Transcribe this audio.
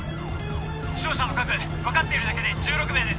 負傷者の数分かっているだけで１６名です